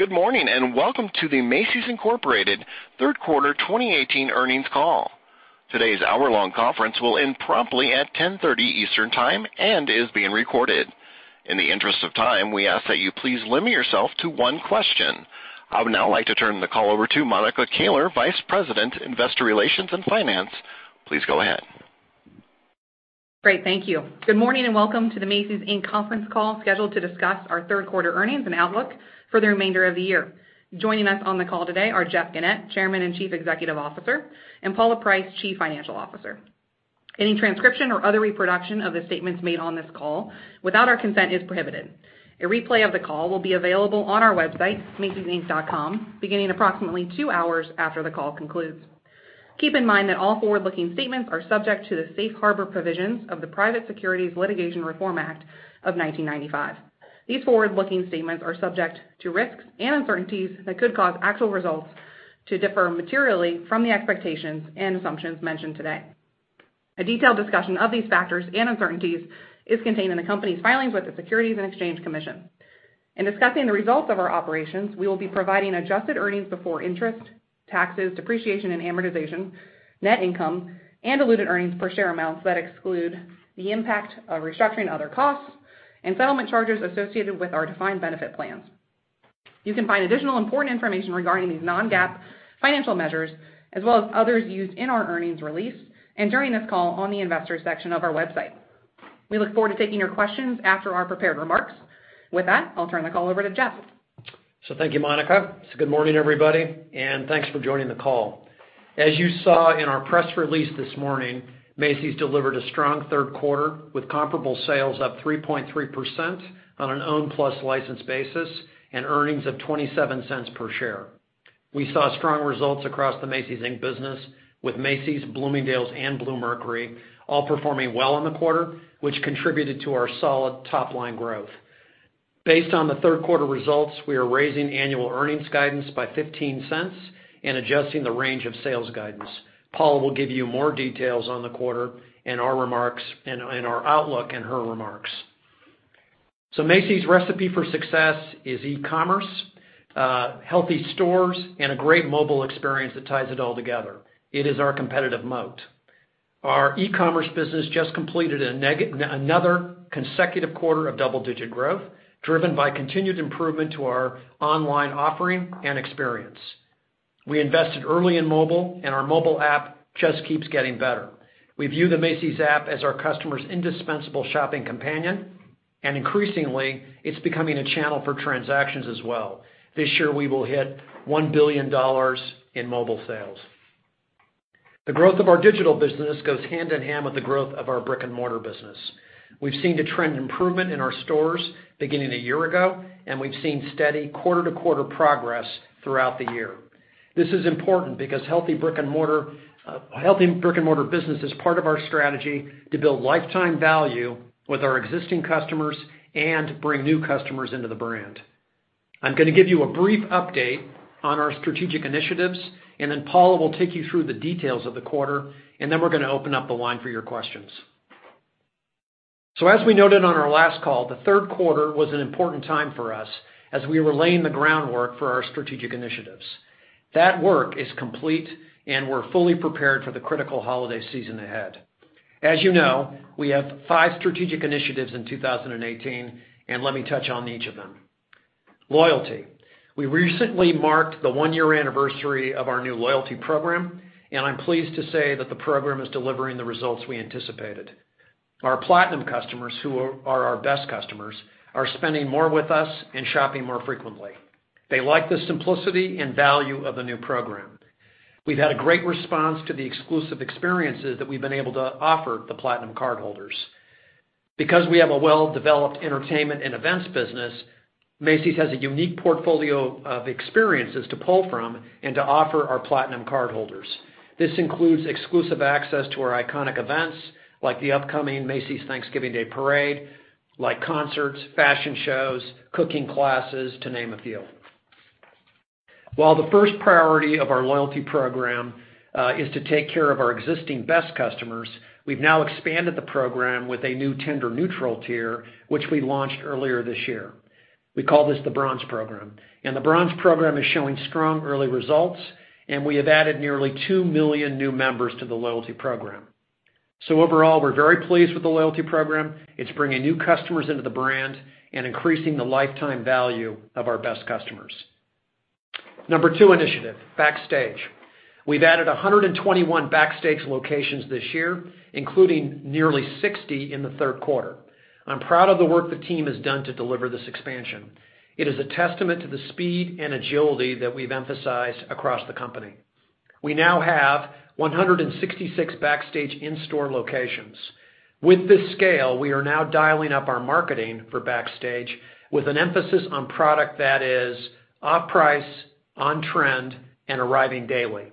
Good morning, and welcome to the Macy's, Inc. third quarter 2018 earnings call. Today's hour-long conference will end promptly at 10:30 A.M. Eastern Time and is being recorded. In the interest of time, we ask that you please limit yourself to one question. I would now like to turn the call over to Mike McGuire, Vice President, Investor Relations and Finance. Please go ahead. Great, thank you. Good morning and welcome to the Macy's, Inc. conference call scheduled to discuss our third quarter earnings and outlook for the remainder of the year. Joining us on the call today are Jeff Gennette, Chairman and Chief Executive Officer, and Paula Price, Chief Financial Officer. Any transcription or other reproduction of the statements made on this call without our consent is prohibited. A replay of the call will be available on our website, macysinc.com, beginning approximately two hours after the call concludes. Keep in mind that all forward-looking statements are subject to the safe harbor provisions of the Private Securities Litigation Reform Act of 1995. These forward-looking statements are subject to risks and uncertainties that could cause actual results to differ materially from the expectations and assumptions mentioned today. A detailed discussion of these factors and uncertainties is contained in the company's filings with the Securities and Exchange Commission. In discussing the results of our operations, we will be providing adjusted earnings before interest, taxes, depreciation, and amortization, net income, and diluted earnings per share amounts that exclude the impact of restructuring other costs and settlement charges associated with our defined benefit plans. You can find additional important information regarding these non-GAAP financial measures, as well as others used in our earnings release and during this call on the Investors section of our website. We look forward to taking your questions after our prepared remarks. With that, I'll turn the call over to Jeff. Thank you, Mike. Good morning, everybody, and thanks for joining the call. As you saw in our press release this morning, Macy's delivered a strong third quarter with comparable sales up 3.3% on an owned plus licensed basis and earnings of $0.27 per share. We saw strong results across the Macy's, Inc. business with Macy's, Bloomingdale's, and Bluemercury all performing well in the quarter, which contributed to our solid top-line growth. Based on the third quarter results, we are raising annual earnings guidance by $0.15 and adjusting the range of sales guidance. Paula will give you more details on the quarter and our outlook in her remarks. Macy's recipe for success is e-commerce, healthy stores, and a great mobile experience that ties it all together. It is our competitive moat. Our e-commerce business just completed another consecutive quarter of double-digit growth, driven by continued improvement to our online offering and experience. We invested early in mobile, and our mobile app just keeps getting better. We view the Macy's app as our customers' indispensable shopping companion, and increasingly, it's becoming a channel for transactions as well. This year, we will hit $1 billion in mobile sales. The growth of our digital business goes hand in hand with the growth of our brick-and-mortar business. We've seen a trend improvement in our stores beginning a year ago, and we've seen steady quarter-to-quarter progress throughout the year. This is important because a healthy brick-and-mortar business is part of our strategy to build lifetime value with our existing customers and bring new customers into the brand. I'm going to give you a brief update on our strategic initiatives. Then Paula will take you through the details of the quarter. Then we're going to open up the line for your questions. As we noted on our last call, the third quarter was an important time for us as we were laying the groundwork for our strategic initiatives. That work is complete, and we're fully prepared for the critical holiday season ahead. As you know, we have five strategic initiatives in 2018. Let me touch on each of them. Loyalty. We recently marked the one-year anniversary of our new Loyalty Program, and I'm pleased to say that the program is delivering the results we anticipated. Our Platinum customers, who are our best customers, are spending more with us and shopping more frequently. They like the simplicity and value of the new program. We've had a great response to the exclusive experiences that we've been able to offer the Platinum cardholders. Because we have a well-developed entertainment and events business, Macy's has a unique portfolio of experiences to pull from and to offer our Platinum cardholders. This includes exclusive access to our iconic events like the upcoming Macy's Thanksgiving Day Parade, like concerts, fashion shows, cooking classes to name a few. While the first priority of our Loyalty Program is to take care of our existing best customers, we've now expanded the program with a new tender neutral tier, which we launched earlier this year. We call this the Bronze Program. The Bronze Program is showing strong early results, and we have added nearly two million new members to the Loyalty Program. Overall, we're very pleased with the Loyalty Program. It's bringing new customers into the brand and increasing the lifetime value of our best customers. Number two initiative, Backstage. We've added 121 Backstage locations this year, including nearly 60 in the third quarter. I'm proud of the work the team has done to deliver this expansion. It is a testament to the speed and agility that we've emphasized across the company. We now have 166 Backstage in-store locations. With this scale, we are now dialing up our marketing for Backstage with an emphasis on product that is off-price, on-trend, and arriving daily.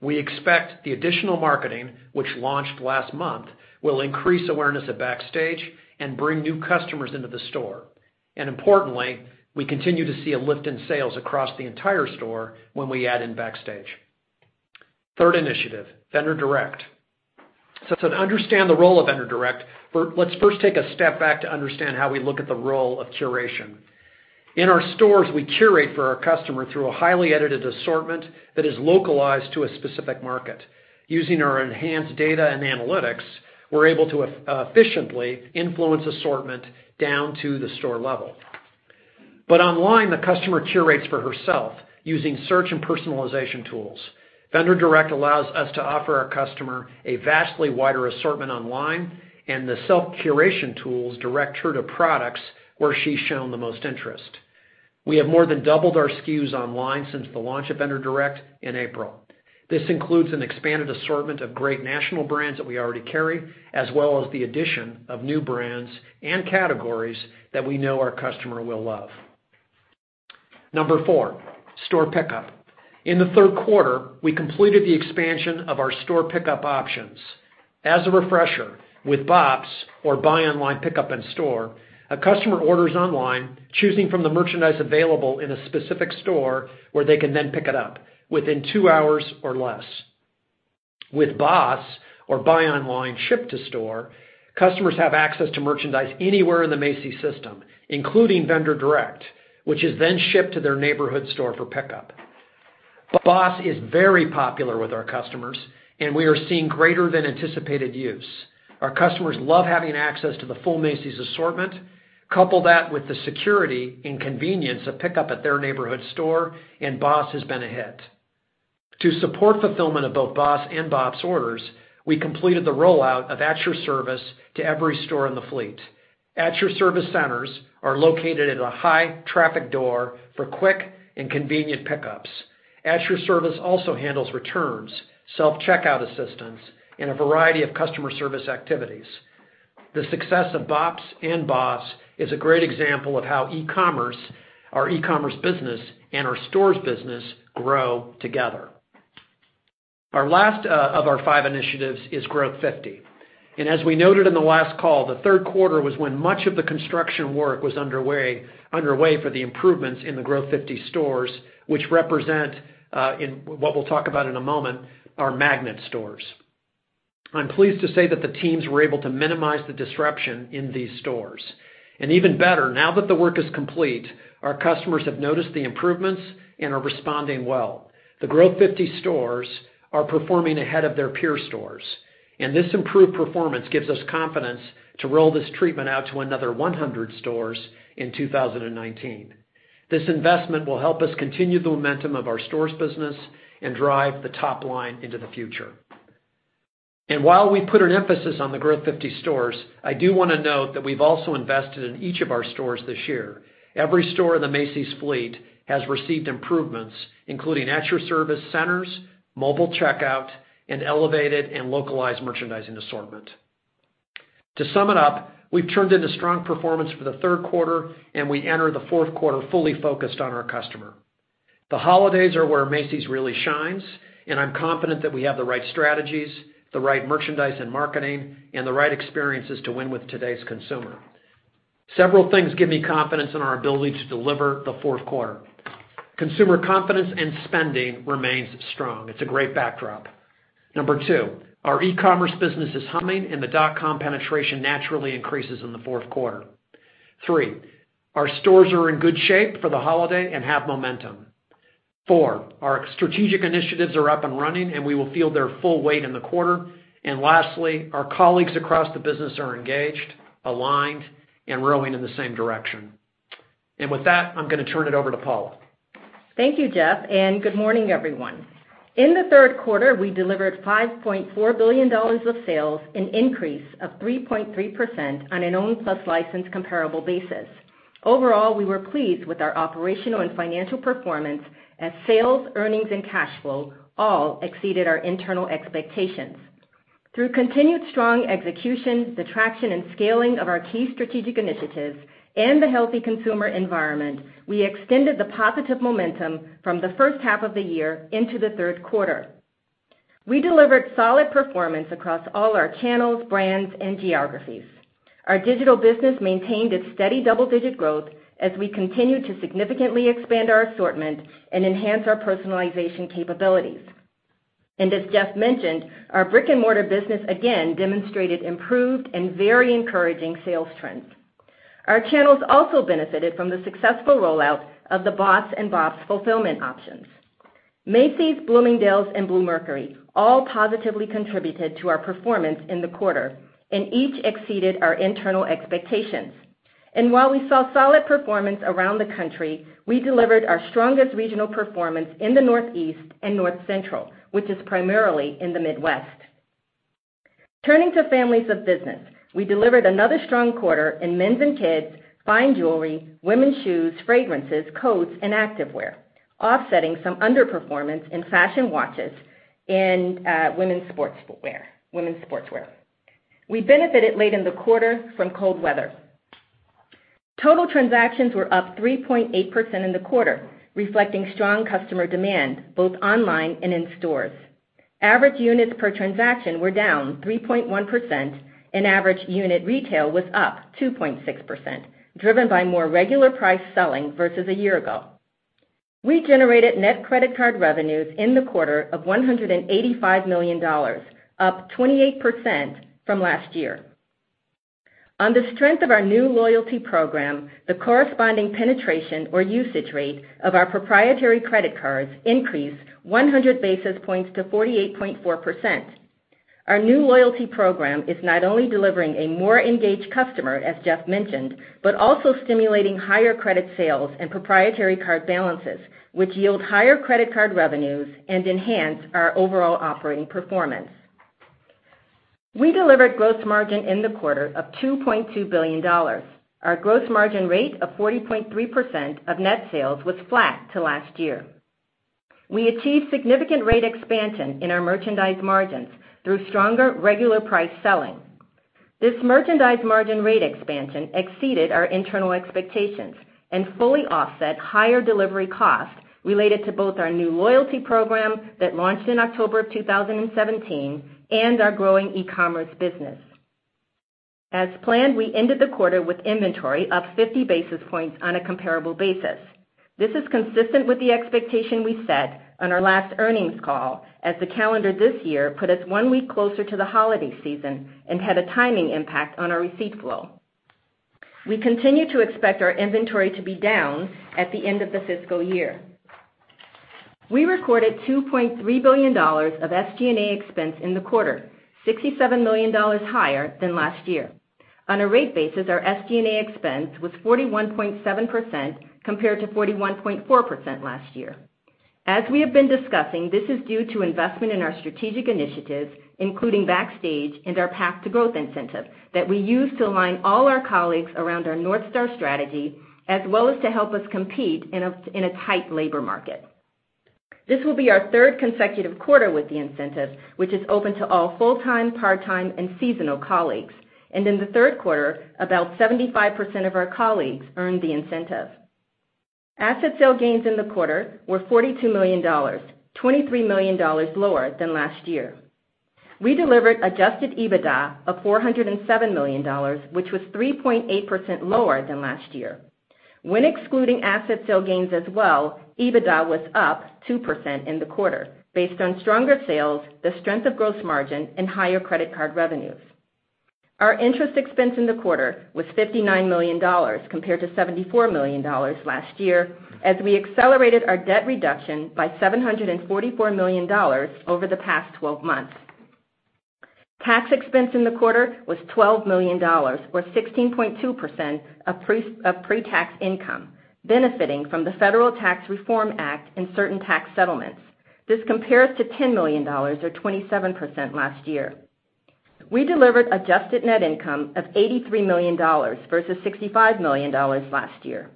We expect the additional marketing, which launched last month, will increase awareness of Backstage and bring new customers into the store. Importantly, we continue to see a lift in sales across the entire store when we add in Backstage. Third initiative, Vendor Direct. To understand the role of Vendor Direct, let's first take a step back to understand how we look at the role of curation. In our stores, we curate for our customer through a highly edited assortment that is localized to a specific market. Using our enhanced data and analytics, we're able to efficiently influence assortment down to the store level. Online, the customer curates for herself using search and personalization tools. Vendor Direct allows us to offer our customer a vastly wider assortment online, and the self-curation tools direct her to products where she's shown the most interest. We have more than doubled our SKUs online since the launch of Vendor Direct in April. This includes an expanded assortment of great national brands that we already carry, as well as the addition of new brands and categories that we know our customer will love. Number four, store pickup. In the third quarter, we completed the expansion of our store pickup options. As a refresher, with BOPS or Buy Online Pickup in Store, a customer orders online, choosing from the merchandise available in a specific store where they can then pick it up within two hours or less. With BOSS or Buy Online Ship to Store, customers have access to merchandise anywhere in the Macy's system, including Vendor Direct, which is then shipped to their neighborhood store for pickup. BOSS is very popular with our customers, and we are seeing greater than anticipated use. Our customers love having access to the full Macy's assortment. Couple that with the security and convenience of pickup at their neighborhood store, and BOSS has been a hit. To support fulfillment of both BOSS and BOPS orders, we completed the rollout of At Your Service to every store in the fleet. At Your Service centers are located at a high-traffic door for quick and convenient pickups. At Your Service also handles returns, self-checkout assistance, and a variety of customer service activities. The success of BOPS and BOSS is a great example of how our e-commerce business and our stores business grow together. Our last of our five initiatives is Growth 50. As we noted in the last call, the third quarter was when much of the construction work was underway for the improvements in the Growth 50 stores, which represent, what we'll talk about in a moment, our magnet stores. I'm pleased to say that the teams were able to minimize the disruption in these stores. Even better, now that the work is complete, our customers have noticed the improvements and are responding well. The Growth 50 stores are performing ahead of their peer stores, and this improved performance gives us confidence to roll this treatment out to another 100 stores in 2019. This investment will help us continue the momentum of our stores business and drive the top line into the future. While we put an emphasis on the Growth 50 stores, I do want to note that we've also invested in each of our stores this year. Every store in the Macy's fleet has received improvements, including At Your Service centers, mobile checkout, and elevated and localized merchandising assortment. To sum it up, we've turned in a strong performance for the third quarter. We enter the fourth quarter fully focused on our customer. The holidays are where Macy's really shines, I'm confident that we have the right strategies, the right merchandise and marketing, and the right experiences to win with today's consumer. Several things give me confidence in our ability to deliver the fourth quarter. Consumer confidence and spending remains strong. It's a great backdrop. Number two, our e-commerce business is humming, the .com penetration naturally increases in the fourth quarter. Three, our stores are in good shape for the holiday and have momentum. Four, our strategic initiatives are up and running, and we will feel their full weight in the quarter. Lastly, our colleagues across the business are engaged, aligned, and rowing in the same direction. With that, I'm going to turn it over to Paula. Thank you, Jeff, good morning, everyone. In the third quarter, we delivered $5.4 billion of sales, an increase of 3.3% on an owned plus licensed comparable basis. Overall, we were pleased with our operational and financial performance as sales, earnings, and cash flow all exceeded our internal expectations. Through continued strong execution, the traction and scaling of our key strategic initiatives, and the healthy consumer environment, we extended the positive momentum from the first half of the year into the third quarter. We delivered solid performance across all our channels, brands, and geographies. Our digital business maintained its steady double-digit growth as we continued to significantly expand our assortment and enhance our personalization capabilities. As Jeff mentioned, our brick-and-mortar business again demonstrated improved and very encouraging sales trends. Our channels also benefited from the successful rollout of the BOSS and BOPS fulfillment options. Macy's, Bloomingdale's, and Bluemercury all positively contributed to our performance in the quarter and each exceeded our internal expectations. While we saw solid performance around the country, we delivered our strongest regional performance in the Northeast and North Central, which is primarily in the Midwest. Turning to families of business, we delivered another strong quarter in men's and kids', fine jewelry, women's shoes, fragrances, coats, and activewear, offsetting some underperformance in fashion watches and women's sportswear. We benefited late in the quarter from cold weather. Total transactions were up 3.8% in the quarter, reflecting strong customer demand both online and in stores. Average units per transaction were down 3.1%, and average unit retail was up 2.6%, driven by more regular price selling versus a year ago. We generated net credit card revenues in the quarter of $185 million, up 28% from last year. On the strength of our new loyalty program, the corresponding penetration or usage rate of our proprietary credit cards increased 100 basis points to 48.4%. Our new loyalty program is not only delivering a more engaged customer, as Jeff mentioned, but also stimulating higher credit sales and proprietary card balances, which yield higher credit card revenues and enhance our overall operating performance. We delivered gross margin in the quarter of $2.2 billion. Our gross margin rate of 40.3% of net sales was flat to last year. We achieved significant rate expansion in our merchandise margins through stronger regular price selling. This merchandise margin rate expansion exceeded our internal expectations and fully offset higher delivery costs related to both our new loyalty program that launched in October of 2017 and our growing e-commerce business. As planned, we ended the quarter with inventory up 50 basis points on a comparable basis. This is consistent with the expectation we set on our last earnings call as the calendar this year put us one week closer to the holiday season and had a timing impact on our receipt flow. We continue to expect our inventory to be down at the end of the fiscal year. We recorded $2.3 billion of SG&A expense in the quarter, $67 million higher than last year. On a rate basis, our SG&A expense was 41.7% compared to 41.4% last year. As we have been discussing, this is due to investment in our strategic initiatives, including Backstage and our path to growth incentive that we use to align all our colleagues around our North Star strategy, as well as to help us compete in a tight labor market. This will be our third consecutive quarter with the incentive, which is open to all full-time, part-time, and seasonal colleagues. In the third quarter, about 75% of our colleagues earned the incentive. Asset sale gains in the quarter were $42 million, $23 million lower than last year. We delivered adjusted EBITDA of $407 million, which was 3.8% lower than last year. When excluding asset sale gains as well, EBITDA was up 2% in the quarter based on stronger sales, the strength of gross margin, and higher credit card revenues. Our interest expense in the quarter was $59 million compared to $74 million last year as we accelerated our debt reduction by $744 million over the past 12 months. Tax expense in the quarter was $12 million, or 16.2% of pre-tax income, benefiting from the Federal Tax Reform Act and certain tax settlements. This compares to $10 million, or 27% last year. We delivered adjusted net income of $83 million versus $65 million last year.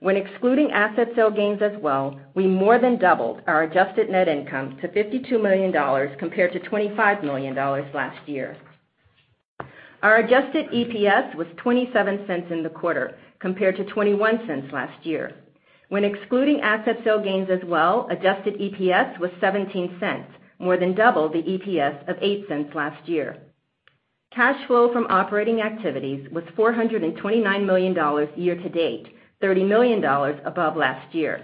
When excluding asset sale gains as well, we more than doubled our adjusted net income to $52 million compared to $25 million last year. Our adjusted EPS was $0.27 in the quarter compared to $0.21 last year. When excluding asset sale gains as well, adjusted EPS was $0.17, more than double the EPS of $0.08 last year. Cash flow from operating activities was $429 million year to date, $30 million above last year.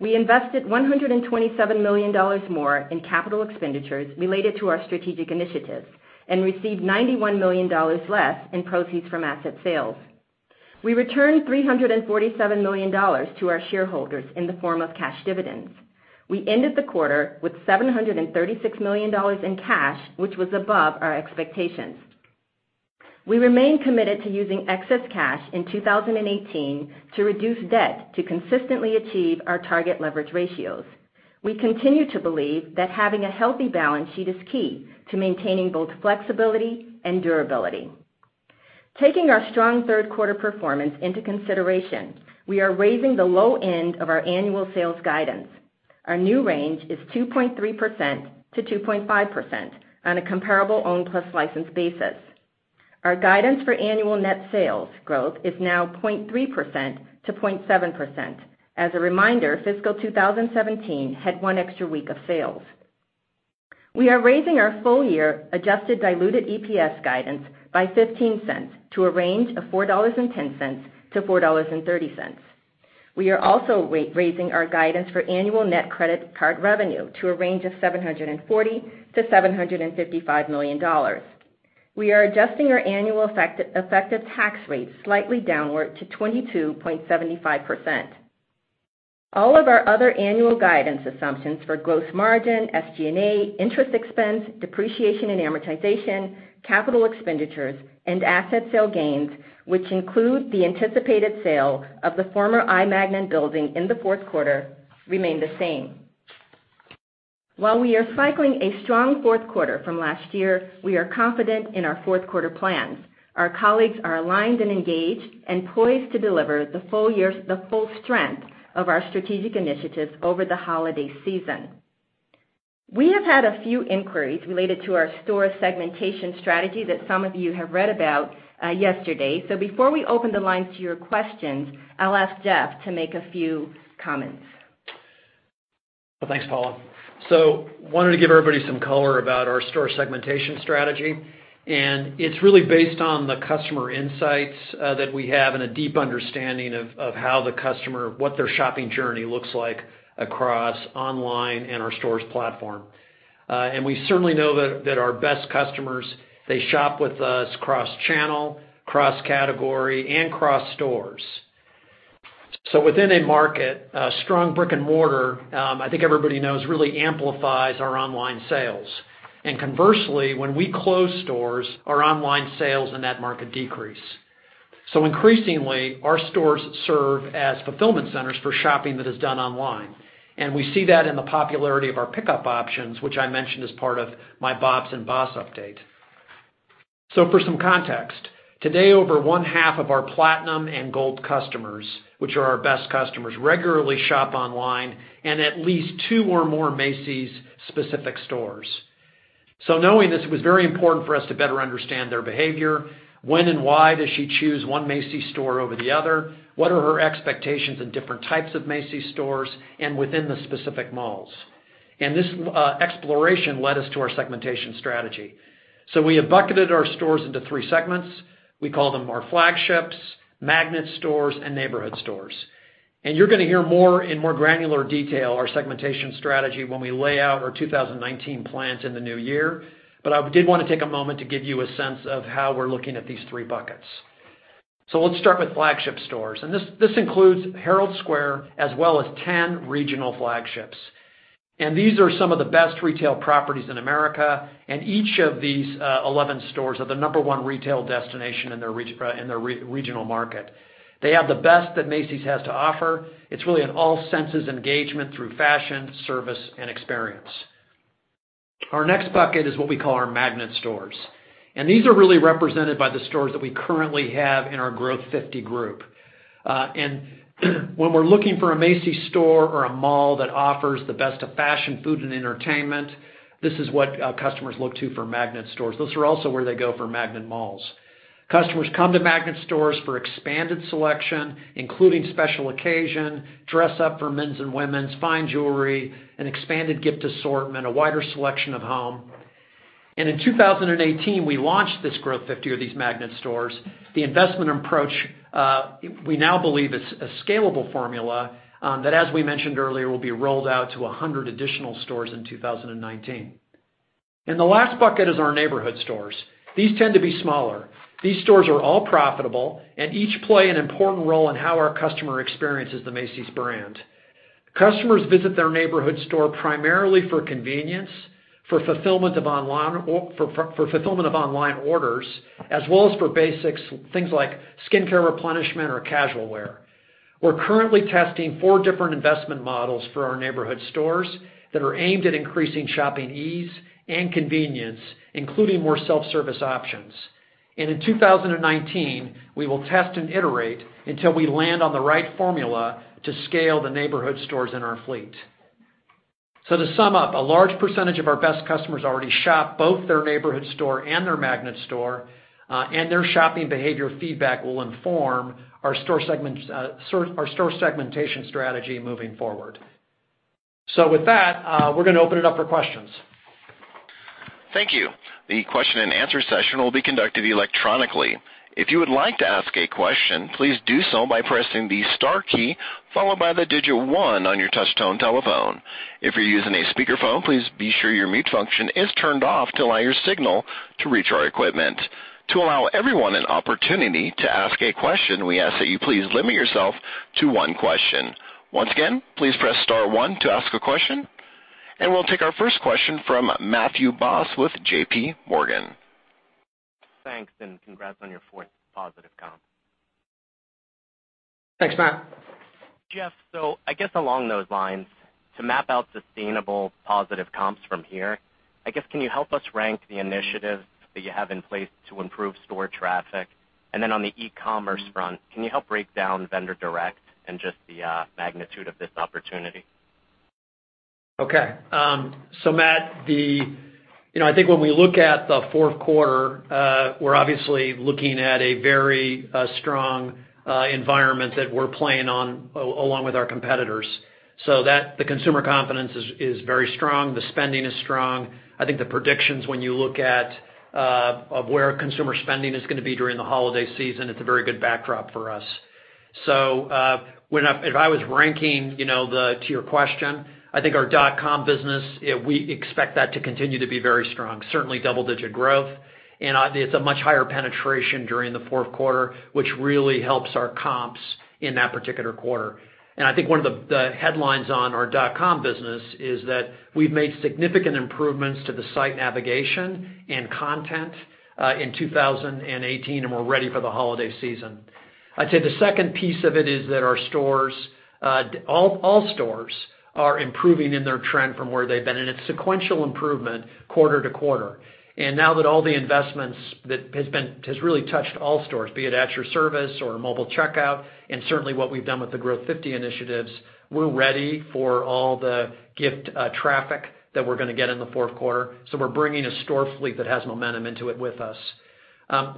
We invested $127 million more in capital expenditures related to our strategic initiatives and received $91 million less in proceeds from asset sales. We returned $347 million to our shareholders in the form of cash dividends. We ended the quarter with $736 million in cash, which was above our expectations. We remain committed to using excess cash in 2018 to reduce debt to consistently achieve our target leverage ratios. We continue to believe that having a healthy balance sheet is key to maintaining both flexibility and durability. Taking our strong third quarter performance into consideration, we are raising the low end of our annual sales guidance. Our new range is 2.3%-2.5% on a comparable owned plus licensed basis. Our guidance for annual net sales growth is now 0.3%-0.7%. As a reminder, fiscal 2017 had one extra week of sales. We are raising our full-year adjusted diluted EPS guidance by $0.15 to a range of $4.10-$4.30. We are also raising our guidance for annual net credit card revenue to a range of $740 million-$755 million. We are adjusting our annual effective tax rate slightly downward to 22.75%. All of our other annual guidance assumptions for gross margin, SG&A, interest expense, depreciation and amortization, capital expenditures, and asset sale gains, which include the anticipated sale of the former I. Magnin building in the fourth quarter, remain the same. While we are cycling a strong fourth quarter from last year, we are confident in our fourth quarter plans. Our colleagues are aligned and engaged and poised to deliver the full strength of our strategic initiatives over the holiday season. We have had a few inquiries related to our store segmentation strategy that some of you have read about yesterday. Before we open the lines to your questions, I'll ask Jeff to make a few comments. Thanks, Paula. Wanted to give everybody some color about our store segmentation strategy, and it's really based on the customer insights that we have and a deep understanding of how the customer, what their shopping journey looks like across online and our stores platform. We certainly know that our best customers, they shop with us cross-channel, cross-category, and cross-stores. Within a market, strong brick and mortar, I think everybody knows, really amplifies our online sales. Conversely, when we close stores, our online sales in that market decrease. Increasingly, our stores serve as fulfillment centers for shopping that is done online, and we see that in the popularity of our pickup options, which I mentioned as part of my BOPS and BOSS update. For some context, today, over one half of our platinum and gold customers, which are our best customers, regularly shop online and at least two or more Macy's specific stores. Knowing this, it was very important for us to better understand their behavior. When and why does she choose one Macy's store over the other? What are her expectations in different types of Macy's stores and within the specific malls? This exploration led us to our segmentation strategy. We have bucketed our stores into three segments. We call them our flagships, magnet stores, and neighborhood stores. You're going to hear more in more granular detail our segmentation strategy when we lay out our 2019 plans in the new year. I did want to take a moment to give you a sense of how we're looking at these three buckets. Let's start with flagship stores, and this includes Herald Square, as well as 10 regional flagships. These are some of the best retail properties in America, and each of these 11 stores are the number one retail destination in their regional market. They have the best that Macy's has to offer. It's really an all-senses engagement through fashion, service, and experience. Our next bucket is what we call our magnet stores, and these are really represented by the stores that we currently have in our Growth 50 group. When we're looking for a Macy's store or a mall that offers the best of fashion, food, and entertainment, this is what customers look to for magnet stores. Those are also where they go for magnet malls. Customers come to magnet stores for expanded selection, including special occasion, dress up for men's and women's, fine jewelry, an expanded gift assortment, a wider selection of home. In 2018, we launched this Growth 50 of these magnet stores. The investment approach, we now believe is a scalable formula that, as we mentioned earlier, will be rolled out to 100 additional stores in 2019. The last bucket is our neighborhood stores. These tend to be smaller. These stores are all profitable and each play an important role in how our customer experiences the Macy's brand. Customers visit their neighborhood store primarily for convenience, for fulfillment of online orders, as well as for basics, things like skin care replenishment or casual wear. We're currently testing four different investment models for our neighborhood stores that are aimed at increasing shopping ease and convenience, including more self-service options. In 2019, we will test and iterate until we land on the right formula to scale the neighborhood stores in our fleet. To sum up, a large percentage of our best customers already shop both their neighborhood store and their magnet store, and their shopping behavior feedback will inform our store segmentation strategy moving forward. With that, we're going to open it up for questions. Thank you. The question and answer session will be conducted electronically. If you would like to ask a question, please do so by pressing the star key, followed by the digit one on your touch-tone telephone. If you're using a speakerphone, please be sure your mute function is turned off to allow your signal to reach our equipment. To allow everyone an opportunity to ask a question, we ask that you please limit yourself to one question. Once again, please press star one to ask a question. We'll take our first question from Matthew Boss with J.P. Morgan. Thanks, congrats on your fourth positive comp. Thanks, Matt. Jeff, I guess along those lines, to map out sustainable positive comps from here, I guess can you help us rank the initiatives that you have in place to improve store traffic? Then on the e-commerce front, can you help break down Vendor Direct and just the magnitude of this opportunity? Okay. Matt, I think when we look at the fourth quarter, we're obviously looking at a very strong environment that we're playing on along with our competitors. The consumer confidence is very strong. The spending is strong. I think the predictions when you look at where consumer spending is going to be during the holiday season, it's a very good backdrop for us. If I was ranking to your question, I think our dot-com business, we expect that to continue to be very strong. Certainly double-digit growth. It's a much higher penetration during the fourth quarter, which really helps our comps in that particular quarter. I think one of the headlines on our dot-com business is that we've made significant improvements to the site navigation and content in 2018, and we're ready for the holiday season. I'd say the second piece of it is that our stores, all stores are improving in their trend from where they've been, and it's sequential improvement quarter to quarter. Now that all the investments that has really touched all stores, be it At Your Service or mobile checkout, and certainly what we've done with the Growth 50 initiatives, we're ready for all the gift traffic that we're going to get in the fourth quarter. We're bringing a store fleet that has momentum into it with us.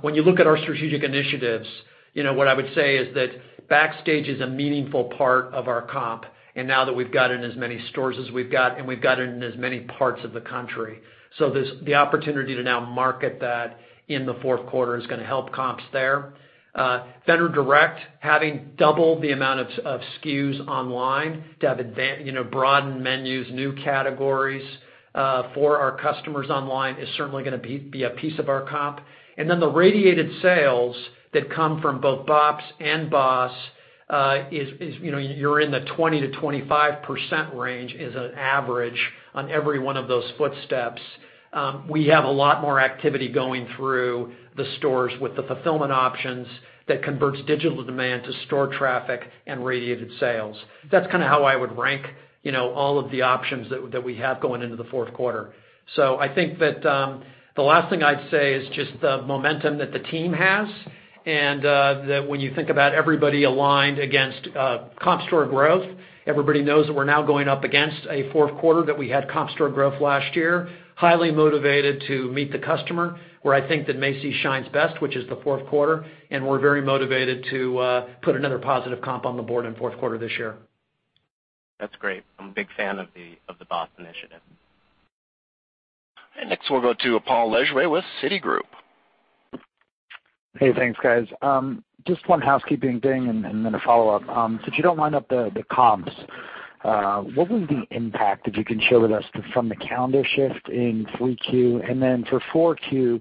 When you look at our strategic initiatives, what I would say is that Backstage is a meaningful part of our comp. Now that we've got it in as many stores as we've got, and we've got it in as many parts of the country. The opportunity to now market that in the fourth quarter is going to help comps there. Vendor Direct, having doubled the amount of SKUs online to have broadened menus, new categories for our customers online is certainly going to be a piece of our comp. The radiated sales that come from both BOPS and BOSS is you're in the 20%-25% range as an average on every one of those footsteps. We have a lot more activity going through the stores with the fulfillment options that converts digital demand to store traffic and radiated sales. That's kind of how I would rank all of the options that we have going into the fourth quarter. I think that the last thing I'd say is just the momentum that the team has, and that when you think about everybody aligned against comp store growth, everybody knows that we're now going up against a fourth quarter that we had comp store growth last year. Highly motivated to meet the customer, where I think that Macy's shines best, which is the fourth quarter, we're very motivated to put another positive comp on the board in fourth quarter this year. That's great. I'm a big fan of the BOSS initiative. Next we'll go to Paul Lejuez with Citigroup. Thanks, guys. Just one housekeeping thing and then a follow-up. Since you don't wind up the comps, what was the impact, if you can share with us, from the calendar shift in 3Q? For 4Q,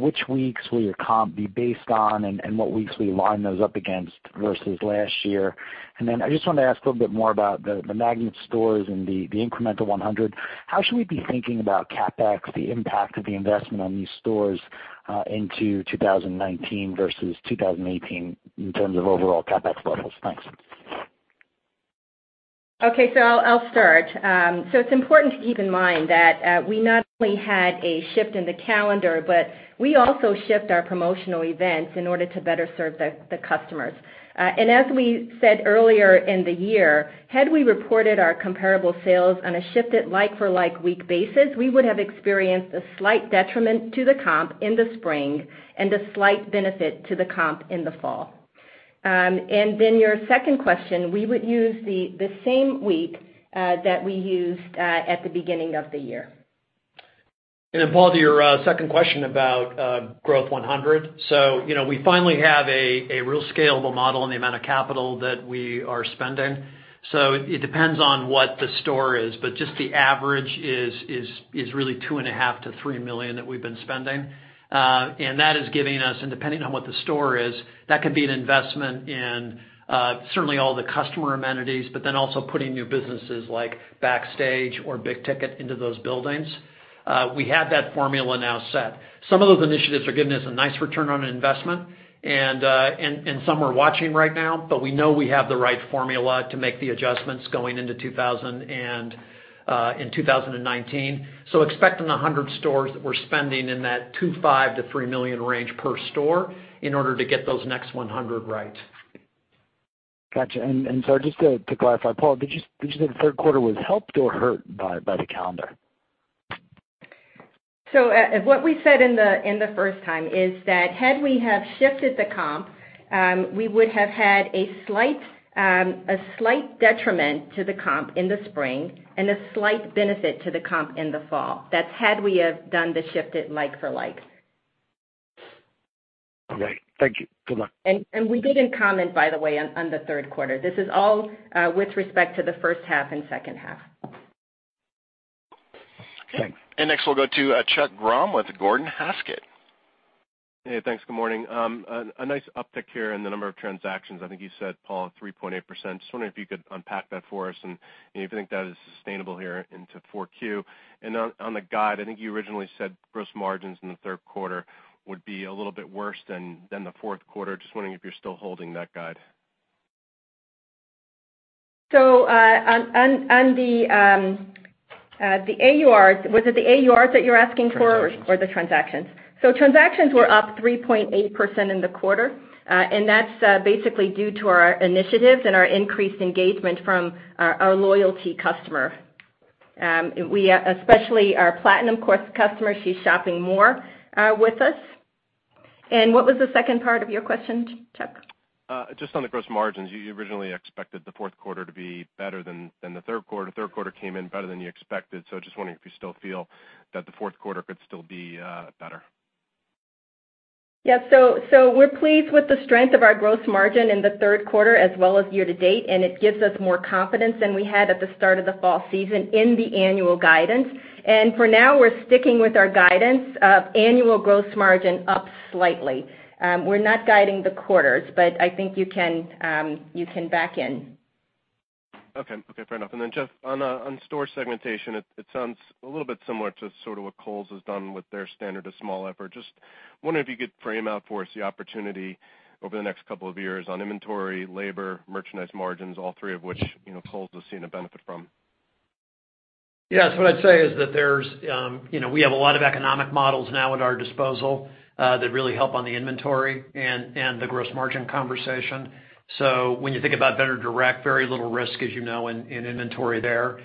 which weeks will your comp be based on and what weeks will you line those up against versus last year? I just wanted to ask a little bit more about the magnet stores and the incremental 100. How should we be thinking about CapEx, the impact of the investment on these stores, into 2019 versus 2018 in terms of overall CapEx levels? Thanks. I'll start. It's important to keep in mind that we not only had a shift in the calendar, but we also shift our promotional events in order to better serve the customers. As we said earlier in the year, had we reported our comparable sales on a shifted like-for-like week basis, we would have experienced a slight detriment to the comp in the spring and a slight benefit to the comp in the fall. Your second question, we would use the same week that we used at the beginning of the year. Paul, to your second question about Growth 100. We finally have a real scalable model in the amount of capital that we are spending. It depends on what the store is, but just the average is really $2.5 million to $3 million that we've been spending. That is giving us, and depending on what the store is, that could be an investment in certainly all the customer amenities, but also putting new businesses like Backstage or Big Ticket into those buildings. We have that formula now set. Some of those initiatives are giving us a nice return on investment and some we're watching right now. We know we have the right formula to make the adjustments going in 2019. Expect in the 100 stores that we're spending in that $2.5 million to $3 million range per store in order to get those next 100 right. Got you. Sorry, just to clarify, Paula, did you say the third quarter was helped or hurt by the calendar? What we said in the first time is that had we have shifted the comp, we would have had a slight detriment to the comp in the spring and a slight benefit to the comp in the fall. That's had we have done the shifted like for like. All right. Thank you. Good luck. We didn't comment, by the way, on the third quarter. This is all with respect to the first half and second half. Thanks. Next we'll go to Chuck Grom with Gordon Haskett. Hey, thanks. Good morning. A nice uptick here in the number of transactions. I think you said, Paul, 3.8%. Just wondering if you could unpack that for us and if you think that is sustainable here into Q4. On the guide, I think you originally said gross margins in the third quarter would be a little bit worse than the fourth quarter. Just wondering if you're still holding that guide. On the AURs, was it the AURs that you're asking for? Transactions Or the transactions? Transactions were up 3.8% in the quarter. That's basically due to our initiatives and our increased engagement from our loyalty customer. Especially our platinum core customer, she's shopping more with us. What was the second part of your question, Chuck? Just on the gross margins. You originally expected the fourth quarter to be better than the third quarter. Third quarter came in better than you expected. Just wondering if you still feel that the fourth quarter could still be better. Yeah. We're pleased with the strength of our gross margin in the third quarter as well as year-to-date, and it gives us more confidence than we had at the start of the fall season in the annual guidance. For now, we're sticking with our guidance of annual gross margin up slightly. We're not guiding the quarters, I think you can back in. Okay. Fair enough. Jeff, on store segmentation, it sounds a little bit similar to sort of what Kohl's has done with their standard to small effort. Just wondering if you could frame out for us the opportunity over the next couple of years on inventory, labor, merchandise margins, all three of which Kohl's has seen a benefit from. Yeah. What I'd say is that we have a lot of economic models now at our disposal that really help on the inventory and the gross margin conversation. When you think about Vendor Direct, very little risk as you know in inventory there.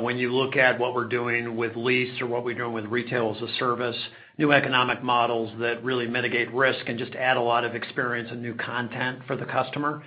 When you look at what we're doing with lease or what we're doing with retail as a service, new economic models that really mitigate risk and just add a lot of experience and new content for the customer.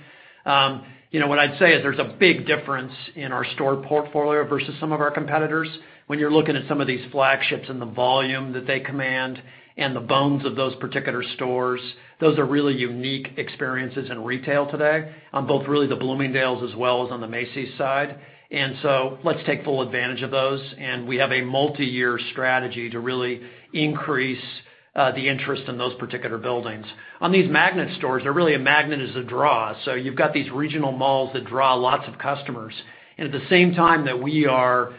What I'd say is there's a big difference in our store portfolio versus some of our competitors. When you're looking at some of these flagships and the volume that they command and the bones of those particular stores, those are really unique experiences in retail today on both really the Bloomingdale's as well as on the Macy's side. Let's take full advantage of those, and we have a multi-year strategy to really increase the interest in those particular buildings. These magnet stores, they're really a magnet as a draw. You've got these regional malls that draw lots of customers. At the same time that we are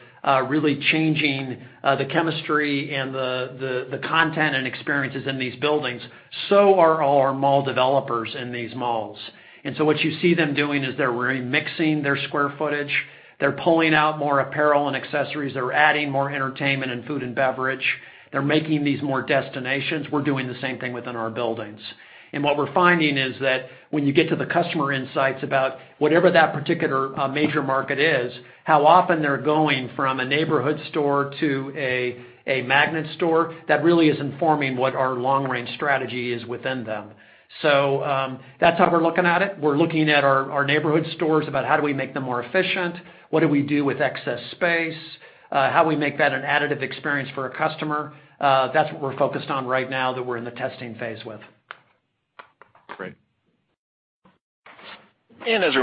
really changing the chemistry and the content and experiences in these buildings, so are all our mall developers in these malls. What you see them doing is they're remixing their square footage. They're pulling out more apparel and accessories. They're adding more entertainment and food and beverage. They're making these more destinations. We're doing the same thing within our buildings. What we're finding is that when you get to the customer insights about whatever that particular major market is, how often they're going from a neighborhood store to a magnet store, that really is informing what our long-range strategy is within them. That's how we're looking at it. We're looking at our neighborhood stores about how do we make them more efficient, what do we do with excess space, how we make that an additive experience for a customer. That's what we're focused on right now that we're in the testing phase with. Great. As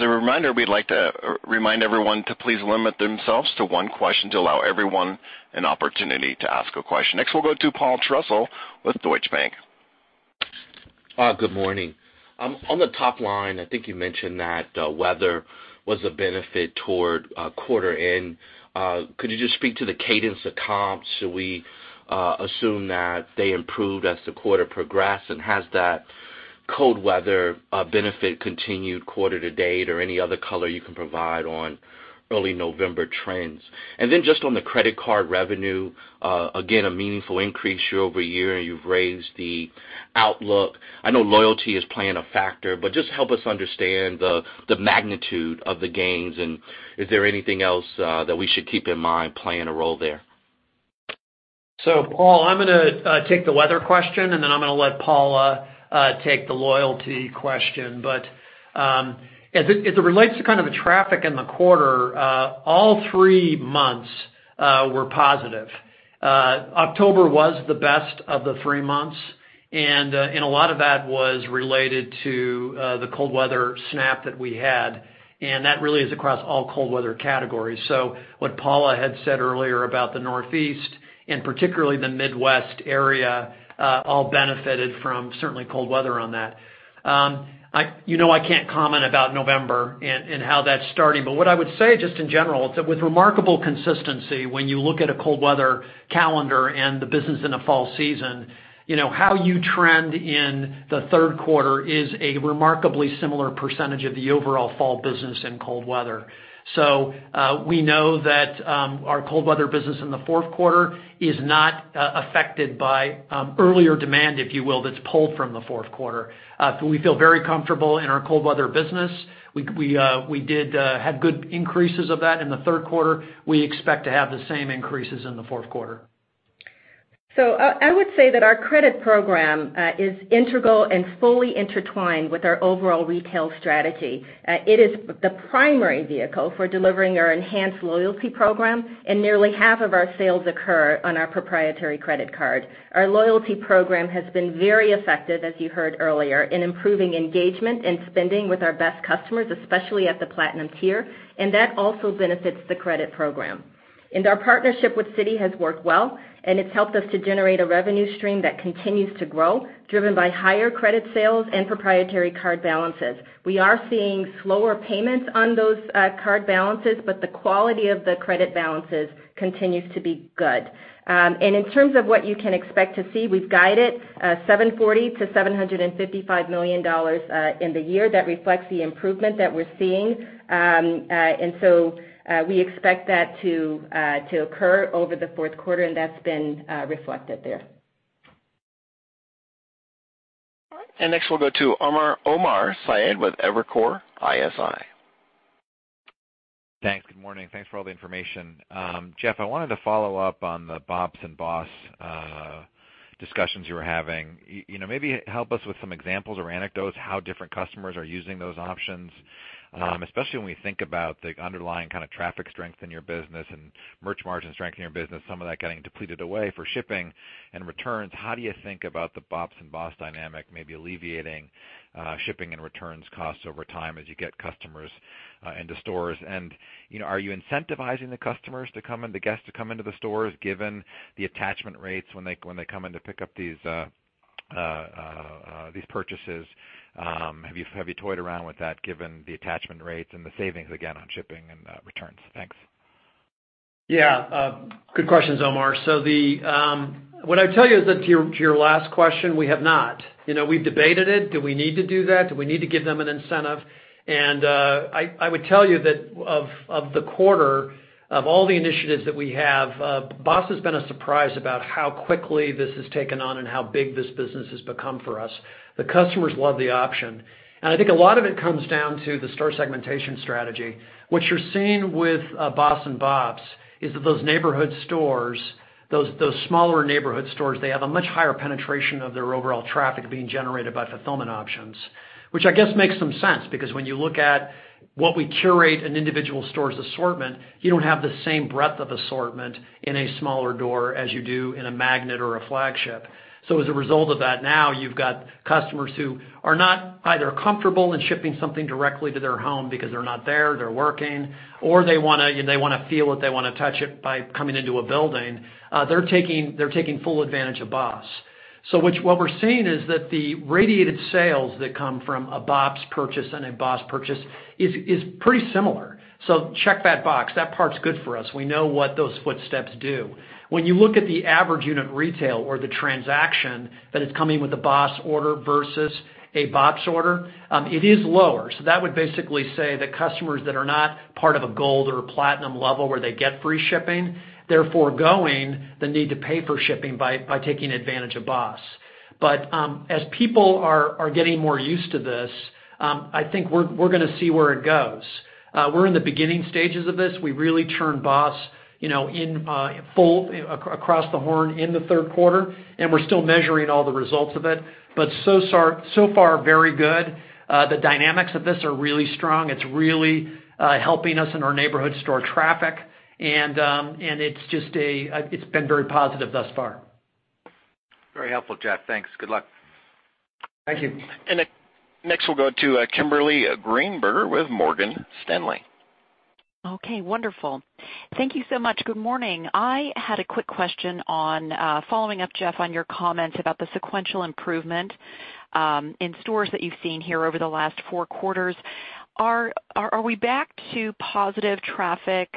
a reminder, we'd like to remind everyone to please limit themselves to one question to allow everyone an opportunity to ask a question. Next, we'll go to Paul Trussell with Deutsche Bank. Good morning. The top line, I think you mentioned that weather was a benefit toward quarter end. Could you just speak to the cadence of comps? Should we assume that they improved as the quarter progressed? Has that cold weather benefit continued quarter to date or any other color you can provide on early November trends? Just on the credit card revenue, again, a meaningful increase year-over-year, and you've raised the outlook. I know loyalty is playing a factor, but just help us understand the magnitude of the gains. Is there anything else that we should keep in mind playing a role there? Paul, I'm going to take the weather question, then I'm going to let Paula take the loyalty question. As it relates to kind of the traffic in the quarter, all three months were positive. October was the best of the three months. A lot of that was related to the cold weather snap that we had. That really is across all cold weather categories. What Paula had said earlier about the Northeast and particularly the Midwest area, all benefited from certainly cold weather on that. You know I can't comment about November and how that's starting. What I would say just in general, with remarkable consistency, when you look at a cold weather calendar and the business in a fall season, how you trend in the third quarter is a remarkably similar percentage of the overall fall business in cold weather. We know that our cold weather business in the fourth quarter is not affected by earlier demand, if you will, that's pulled from the fourth quarter. We feel very comfortable in our cold weather business. We did have good increases of that in the third quarter. We expect to have the same increases in the fourth quarter. I would say that our credit program is integral and fully intertwined with our overall retail strategy. It is the primary vehicle for delivering our enhanced loyalty program, nearly half of our sales occur on our proprietary credit card. Our loyalty program has been very effective, as you heard earlier, in improving engagement and spending with our best customers, especially at the platinum tier, that also benefits the credit program. Our partnership with Citi has worked well, it's helped us to generate a revenue stream that continues to grow, driven by higher credit sales and proprietary card balances. We are seeing slower payments on those card balances, the quality of the credit balances continues to be good. In terms of what you can expect to see, we've guided $740 million-$755 million in the year. That reflects the improvement that we're seeing. We expect that to occur over the fourth quarter, that's been reflected there. Next, we'll go to Omar Saad with Evercore ISI. Thanks. Good morning. Thanks for all the information. Jeff, I wanted to follow up on the BOPS and BOSS discussions you were having. Maybe help us with some examples or anecdotes how different customers are using those options, especially when we think about the underlying kind of traffic strength in your business and merch margin strength in your business, some of that getting depleted away for shipping and returns. How do you think about the BOPS and BOSS dynamic, maybe alleviating shipping and returns costs over time as you get customers into stores? Are you incentivizing the guests to come into the stores given the attachment rates when they come in to pick up these purchases? Have you toyed around with that given the attachment rates and the savings again on shipping and returns? Thanks. Good questions, Omar. What I'd tell you is that to your last question, we have not. We've debated it. Do we need to do that? Do we need to give them an incentive? I would tell you that of the quarter, of all the initiatives that we have, BOSS has been a surprise about how quickly this has taken on and how big this business has become for us. The customers love the option. I think a lot of it comes down to the store segmentation strategy. What you're seeing with BOSS and BOPS is that those neighborhood stores, those smaller neighborhood stores, they have a much higher penetration of their overall traffic being generated by fulfillment options. Which I guess makes some sense because when you look at what we curate an individual store's assortment, you don't have the same breadth of assortment in a smaller door as you do in a magnet or a flagship. As a result of that, now you've got customers who are not either comfortable in shipping something directly to their home because they're not there, they're working, or they want to feel it, they want to touch it by coming into a building. They're taking full advantage of BOPS. What we're seeing is that the radiated sales that come from a BOPS purchase and a BOSS purchase is pretty similar. Check that box. That part's good for us. We know what those footsteps do. When you look at the average unit retail or the transaction that is coming with a BOSS order versus a BOPS order, it is lower. That would basically say that customers that are not part of a gold or platinum level where they get free shipping, they're foregoing the need to pay for shipping by taking advantage of BOSS. As people are getting more used to this, I think we're going to see where it goes. We're in the beginning stages of this. We really turned BOSS in full across the horn in the third quarter, and we're still measuring all the results of it. So far, very good. The dynamics of this are really strong. It's really helping us in our neighborhood store traffic, and it's been very positive thus far. Very helpful, Jeff. Thanks. Good luck. Thank you. Next we'll go to Kimberly Greenberger with Morgan Stanley. Okay, wonderful. Thank you so much. Good morning. I had a quick question on following up, Jeff, on your comments about the sequential improvement in stores that you've seen here over the last 4 quarters. Are we back to positive traffic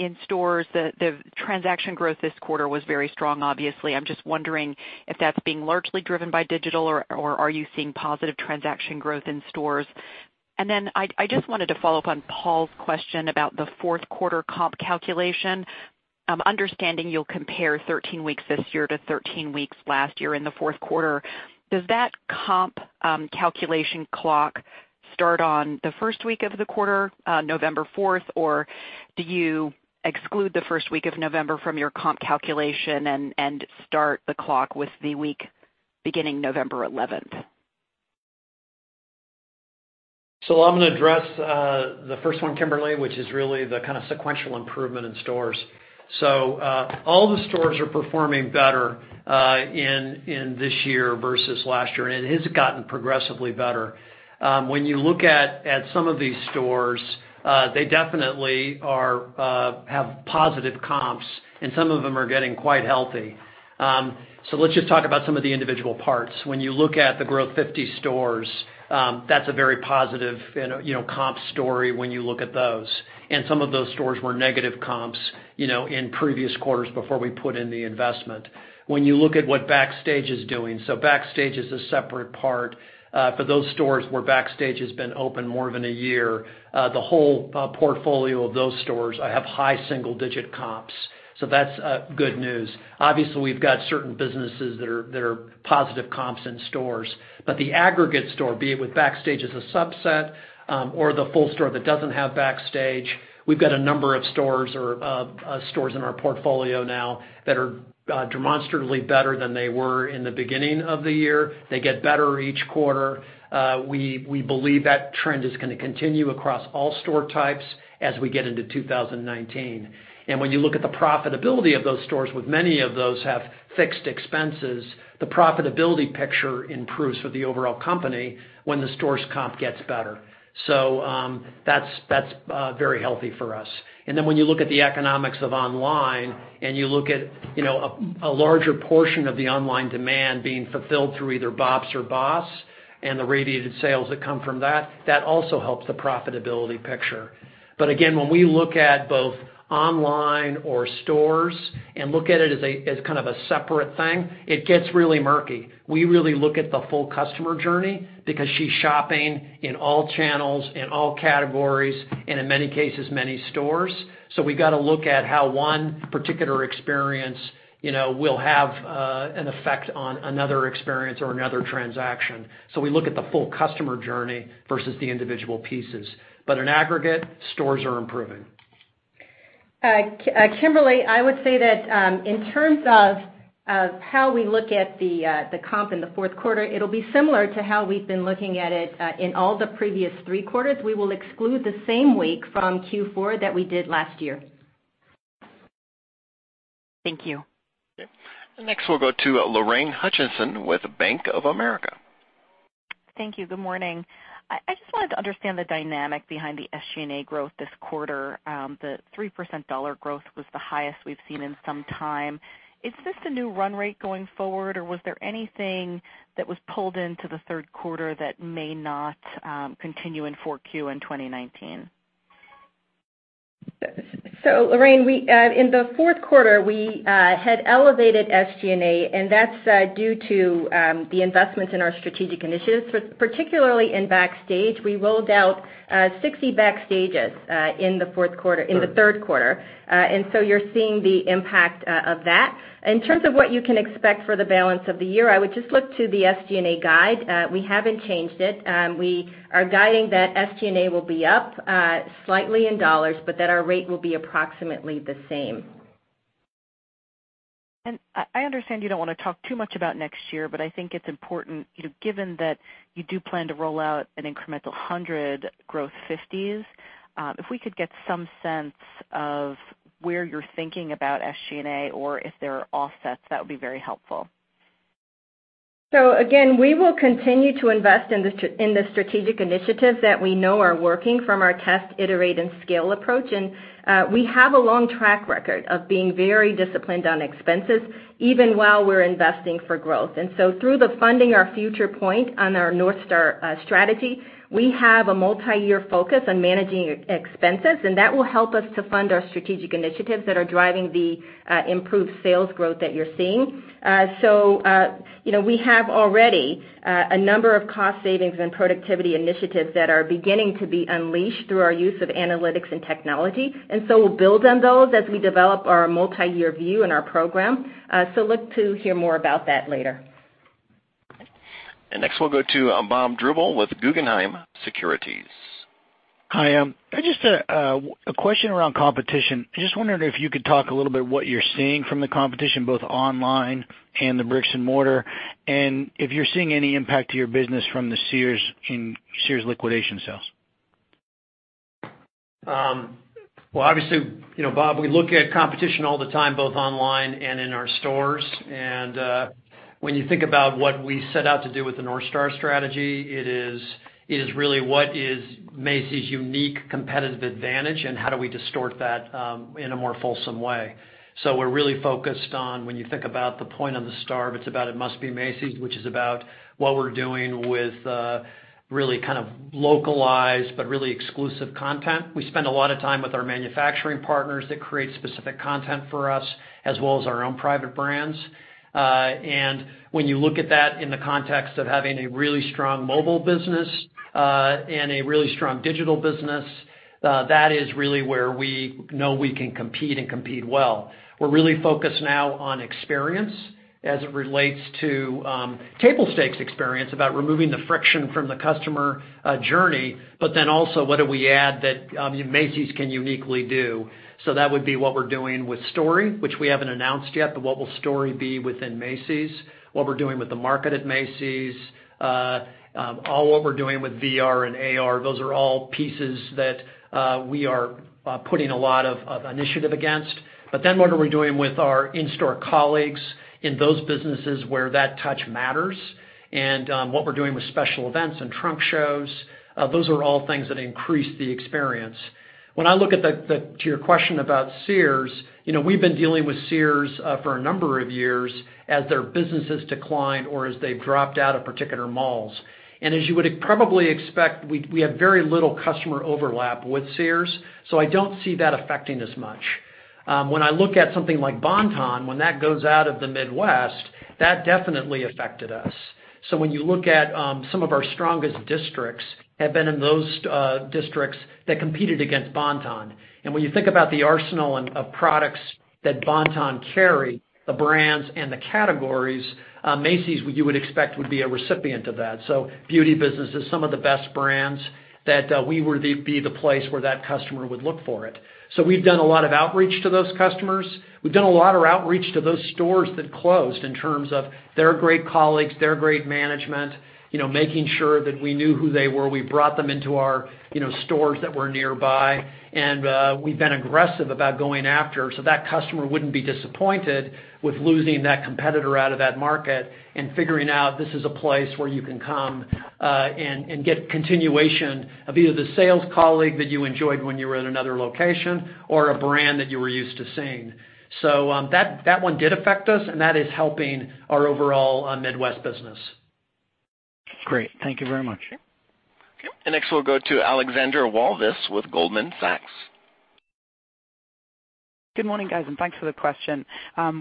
in stores? The transaction growth this quarter was very strong, obviously. I'm just wondering if that's being largely driven by digital, or are you seeing positive transaction growth in stores? I just wanted to follow up on Paul's question about the fourth quarter comp calculation. Understanding you'll compare 13 weeks this year to 13 weeks last year in the fourth quarter, does that comp calculation clock start on the first week of the quarter, November 4th, or do you exclude the first week of November from your comp calculation and start the clock with the week beginning November 11th? I'm going to address the first one, Kimberly, which is really the kind of sequential improvement in stores. All the stores are performing better in this year versus last year, and it has gotten progressively better. When you look at some of these stores, they definitely have positive comps and some of them are getting quite healthy. Let's just talk about some of the individual parts. When you look at the Growth 50 stores, that's a very positive comp story when you look at those. Some of those stores were negative comps in previous quarters before we put in the investment. When you look at what Backstage is doing. Backstage is a separate part. For those stores where Backstage has been open more than a year, the whole portfolio of those stores have high single-digit comps. That's good news. Obviously, we've got certain businesses that are positive comps in stores. The aggregate store, be it with Backstage as a subset or the full store that doesn't have Backstage, we've got a number of stores in our portfolio now that are demonstratively better than they were in the beginning of the year. They get better each quarter. We believe that trend is going to continue across all store types as we get into 2019. When you look at the profitability of those stores, with many of those have fixed expenses, the profitability picture improves for the overall company when the store's comp gets better. That's very healthy for us. When you look at the economics of online and you look at a larger portion of the online demand being fulfilled through either BOPS or BOSS and the radiated sales that come from that also helps the profitability picture. When we look at both online or stores and look at it as kind of a separate thing, it gets really murky. We really look at the full customer journey because she's shopping in all channels, in all categories, and in many cases, many stores. We got to look at how one particular experience will have an effect on another experience or another transaction. We look at the full customer journey versus the individual pieces. In aggregate, stores are improving. Kimberly, I would say that in terms of how we look at the comp in the fourth quarter, it'll be similar to how we've been looking at it in all the previous three quarters. We will exclude the same week from Q4 that we did last year. Thank you. Okay. Next we'll go to Lorraine Hutchinson with Bank of America. Thank you. Good morning. I just wanted to understand the dynamic behind the SG&A growth this quarter. The 3% dollar growth was the highest we've seen in some time. Is this the new run rate going forward, or was there anything that was pulled into the third quarter that may not continue in 4Q and 2019? Lorraine, in the fourth quarter, we had elevated SG&A, and that's due to the investments in our strategic initiatives, particularly in Backstage. We rolled out 60 Backstages in the third quarter. You're seeing the impact of that. In terms of what you can expect for the balance of the year, I would just look to the SG&A guide. We haven't changed it. We are guiding that SG&A will be up slightly in dollars, but that our rate will be approximately the same. I understand you don't want to talk too much about next year, but I think it's important, given that you do plan to roll out an incremental 100 Growth 50s. If we could get some sense of where you're thinking about SG&A or if there are offsets, that would be very helpful. Again, we will continue to invest in the strategic initiatives that we know are working from our test, iterate, and scale approach. We have a long track record of being very disciplined on expenses, even while we're investing for growth. Through the funding our future point on our North Star strategy, we have a multi-year focus on managing expenses, and that will help us to fund our strategic initiatives that are driving the improved sales growth that you're seeing. We have already a number of cost savings and productivity initiatives that are beginning to be unleashed through our use of analytics and technology. We'll build on those as we develop our multi-year view and our program. Look to hear more about that later. Next, we'll go to Bob Drbul with Guggenheim Securities. Hi. Just a question around competition. I'm just wondering if you could talk a little bit what you're seeing from the competition, both online and the bricks and mortar, and if you're seeing any impact to your business from the Sears liquidation sales. Well, obviously, Bob, we look at competition all the time, both online and in our stores. When you think about what we set out to do with the North Star strategy, it is really what is Macy's unique competitive advantage, and how do we distort that in a more fulsome way? We're really focused on when you think about the point on the star, it's about It Must Be Macy's, which is about what we're doing with really kind of localized but really exclusive content. We spend a lot of time with our manufacturing partners that create specific content for us, as well as our own private brands. When you look at that in the context of having a really strong mobile business, and a really strong digital business, that is really where we know we can compete and compete well. We're really focused now on experience as it relates to table stakes experience, about removing the friction from the customer journey, but then also what do we add that Macy's can uniquely do? That would be what we're doing with Story, which we haven't announced yet, but what will Story be within Macy's? What we're doing with the market at Macy's. All what we're doing with VR and AR. Those are all pieces that we are putting a lot of initiative against. What are we doing with our in-store colleagues in those businesses where that touch matters? What we're doing with special events and trunk shows. Those are all things that increase the experience. When I look to your question about Sears, we've been dealing with Sears for a number of years as their business has declined or as they've dropped out of particular malls. As you would probably expect, we have very little customer overlap with Sears, so I don't see that affecting us much. When I look at something like Bon-Ton, when that goes out of the Midwest, that definitely affected us. When you look at some of our strongest districts have been in those districts that competed against Bon-Ton. When you think about the arsenal of products that Bon-Ton carried, the brands and the categories, Macy's, you would expect, would be a recipient of that. Beauty businesses, some of the best brands that we would be the place where that customer would look for it. We've done a lot of outreach to those customers. We've done a lot of outreach to those stores that closed in terms of their great colleagues, their great management, making sure that we knew who they were. We brought them into our stores that were nearby. We've been aggressive about going after, that customer wouldn't be disappointed with losing that competitor out of that market and figuring out this is a place where you can come, and get continuation of either the sales colleague that you enjoyed when you were in another location or a brand that you were used to seeing. That one did affect us, and that is helping our overall Midwest business. Great. Thank you very much. Okay. Next we'll go to Alexandra Walvis with Goldman Sachs. Good morning, guys, and thanks for the question.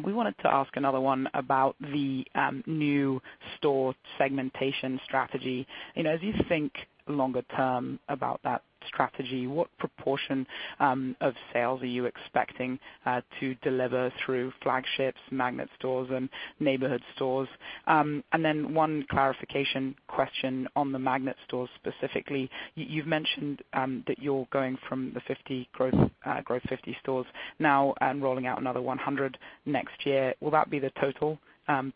We wanted to ask another one about the new store segmentation strategy. As you think longer term about that strategy, what proportion of sales are you expecting to deliver through flagships, magnet stores, and neighborhood stores? Then one clarification question on the magnet stores specifically. You've mentioned that you're going from the Growth 50 stores now and rolling out another 100 next year. Will that be the total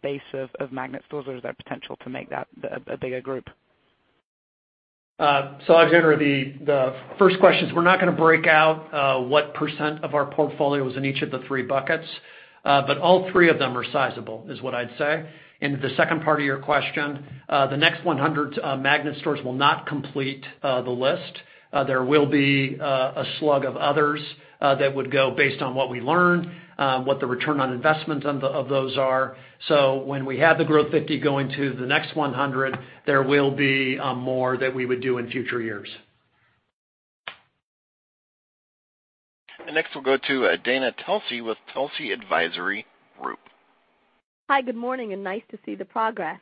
base of magnet stores, or is there potential to make that a bigger group? Alexandra, the first question is, we're not going to break out what % of our portfolio is in each of the 3 buckets. All 3 of them are sizable is what I'd say. To the second part of your question, the next Growth 100 stores will not complete the list. There will be a slug of others that would go based on what we learned, what the return on investment of those are. When we have the Growth 50 going to the next 100, there will be more that we would do in future years. Next, we'll go to Dana Telsey with Telsey Advisory Group. Hi, good morning, and nice to see the progress.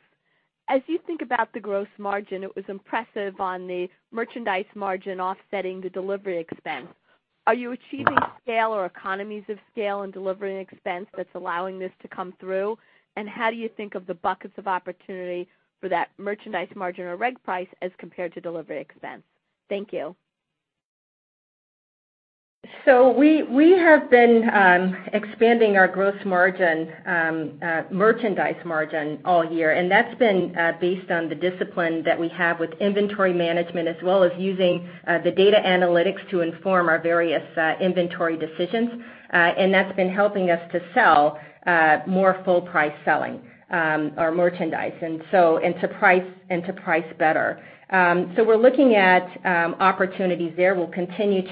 As you think about the gross margin, it was impressive on the merchandise margin offsetting the delivery expense. Are you achieving scale or economies of scale in delivery expense that's allowing this to come through? How do you think of the buckets of opportunity for that merchandise margin or reg price as compared to delivery expense? Thank you. We have been expanding our merchandise margin all year, and that's been based on the discipline that we have with inventory management, as well as using the data analytics to inform our various inventory decisions. That's been helping us to sell more full-price selling our merchandise, and to price better. We're looking at opportunities there. We'll continue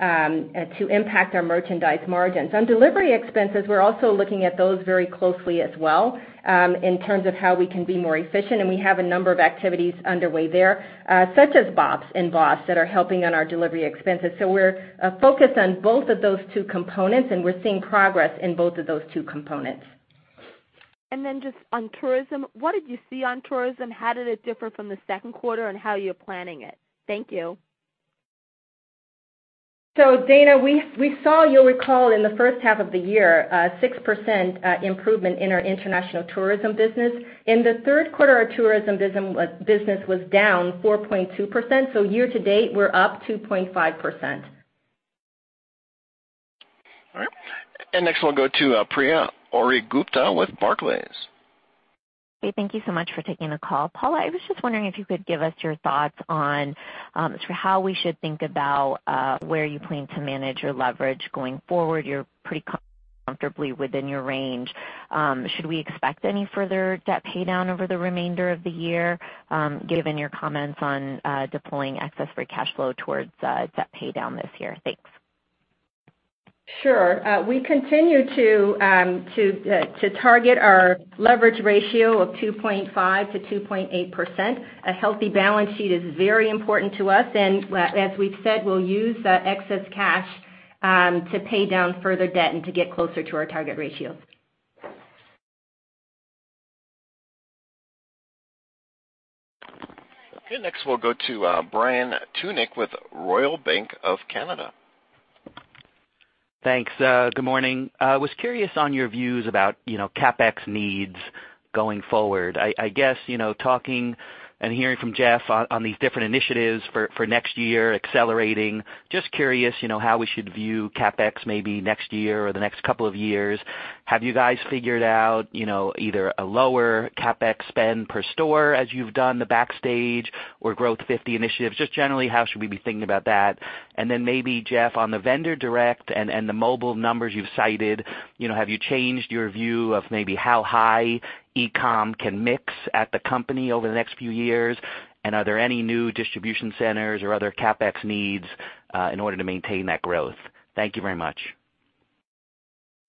to impact our merchandise margins. On delivery expenses, we're also looking at those very closely as well in terms of how we can be more efficient, and we have a number of activities underway there such as BOPS and BOSS that are helping on our delivery expenses. We're focused on both of those 2 components, and we're seeing progress in both of those 2 components. What did you see on tourism? How did it differ from the second quarter, and how are you planning it? Thank you. Dana, we saw, you'll recall, in the first half of the year, a 6% improvement in our international tourism business. In the third quarter, our tourism business was down 4.2%. Year to date, we're up 2.5%. All right. Next we'll go to Priya Ohri-Gupta with Barclays. Hey, thank you so much for taking the call. Paula, I was just wondering if you could give us your thoughts on how we should think about where you plan to manage your leverage going forward. You're pretty comfortably within your range. Should we expect any further debt paydown over the remainder of the year, given your comments on deploying excess free cash flow towards debt paydown this year? Thanks. Sure. We continue to target our leverage ratio of 2.5%-2.8%. A healthy balance sheet is very important to us. As we've said, we'll use excess cash to pay down further debt and to get closer to our target ratio. Next we'll go to Brian Tunick with Royal Bank of Canada. Thanks. Good morning. I was curious on your views about CapEx needs going forward. I guess talking and hearing from Jeff on these different initiatives for next year accelerating, just curious how we should view CapEx maybe next year or the next couple of years. Have you guys figured out either a lower CapEx spend per store as you've done the Backstage or Growth 50 initiatives? Just generally, how should we be thinking about that? Then maybe, Jeff, on the Vendor Direct and the mobile numbers you've cited, have you changed your view of maybe how high e-com can mix at the company over the next few years? Are there any new distribution centers or other CapEx needs in order to maintain that growth? Thank you very much.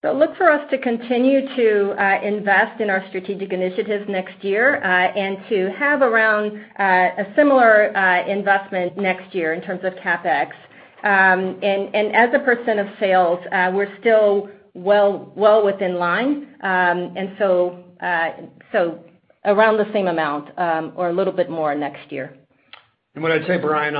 Look for us to continue to invest in our strategic initiatives next year, and to have around a similar investment next year in terms of CapEx. As a % of sales, we're still well within line. Around the same amount or a little bit more next year. What I'd say, Brian,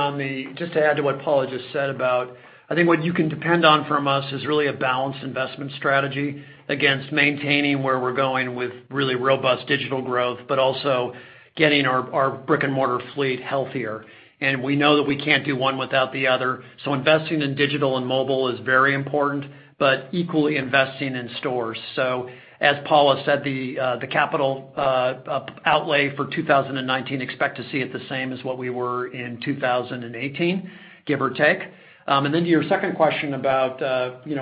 just to add to what Paula just said about, I think what you can depend on from us is really a balanced investment strategy against maintaining where we're going with really robust digital growth, but also getting our brick-and-mortar fleet healthier. We know that we can't do one without the other. Investing in digital and mobile is very important, but equally investing in stores. As Paula said, the capital outlay for 2019, expect to see it the same as what we were in 2018, give or take. To your second question about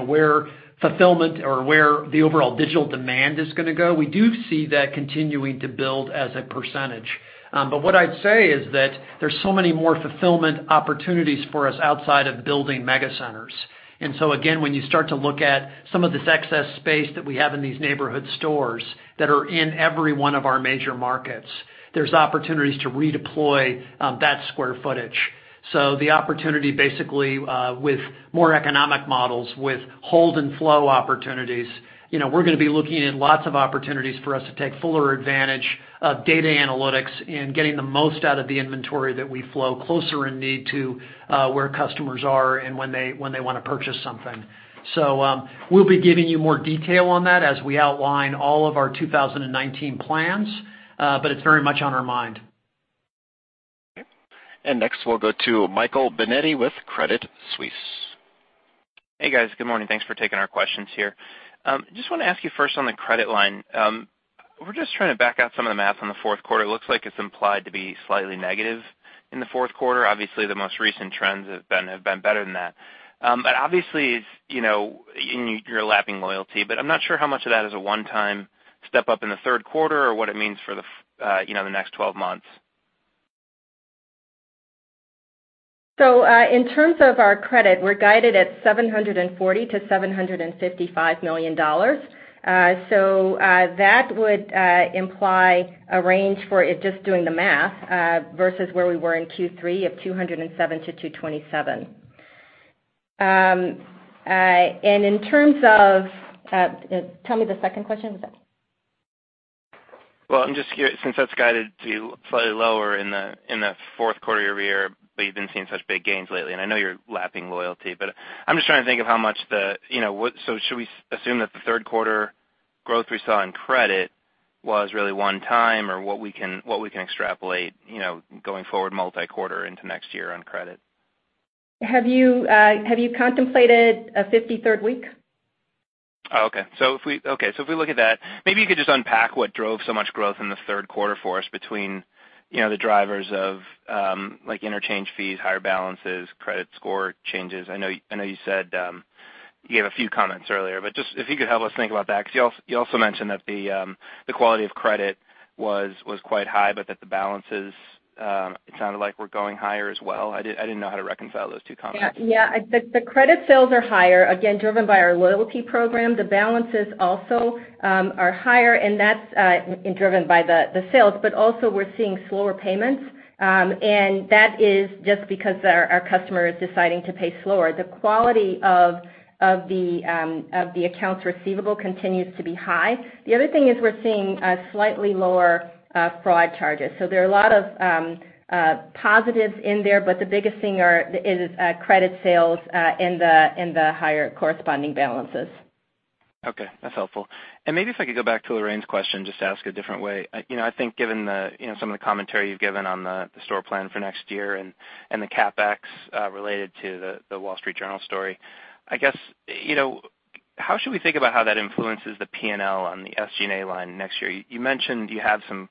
where fulfillment or where the overall digital demand is going to go, we do see that continuing to build as a percentage. What I'd say is that there's so many more fulfillment opportunities for us outside of building mega centers. Again, when you start to look at some of this excess space that we have in these neighborhood stores that are in every one of our major markets, there's opportunities to redeploy that square footage. The opportunity basically with more economic models, with hold and flow opportunities. We're going to be looking at lots of opportunities for us to take fuller advantage of data analytics and getting the most out of the inventory that we flow closer in need to where customers are and when they want to purchase something. We'll be giving you more detail on that as we outline all of our 2019 plans. It's very much on our mind. Okay. Next we'll go to Michael Binetti with Credit Suisse. Hey, guys. Good morning. Thanks for taking our questions here. Just want to ask you first on the credit line. We're just trying to back out some of the math on the fourth quarter. It looks like it's implied to be slightly negative in the fourth quarter. Obviously, the most recent trends have been better than that. Obviously, you're lapping loyalty, but I'm not sure how much of that is a one-time step up in the third quarter or what it means for the next 12 months. In terms of our credit, we're guided at $740 million-$755 million. That would imply a range for it, just doing the math, versus where we were in Q3 of $207 million-$227 million. Tell me the second question. Well, I'm just curious, since that's guided to slightly lower in the fourth quarter year-over-year, you've been seeing such big gains lately, I know you're lapping loyalty, I'm just trying to think of how much. Should we assume that the third quarter growth we saw in credit was really one-time or what we can extrapolate going forward multi-quarter into next year on credit. Have you contemplated a 53rd week? Oh, okay. If we look at that, maybe you could just unpack what drove so much growth in the third quarter for us between the drivers of interchange fees, higher balances, credit score changes. I know you gave a few comments earlier, just if you could help us think about that, because you also mentioned that the quality of credit was quite high, that the balances, it sounded like were going higher as well. I didn't know how to reconcile those two comments. Yeah. The credit sales are higher, again, driven by our loyalty program. The balances also are higher, and that's driven by the sales, but also we're seeing slower payments. That is just because our customer is deciding to pay slower. The quality of the accounts receivable continues to be high. The other thing is we're seeing slightly lower fraud charges. There are a lot of positives in there, but the biggest thing is credit sales and the higher corresponding balances. Okay. That's helpful. Maybe if I could go back to Lorraine's question, just to ask a different way. I think given some of the commentary you've given on the store plan for next year and the CapEx related to The Wall Street Journal story, I guess, how should we think about how that influences the P&L on the SG&A line next year? You mentioned you have some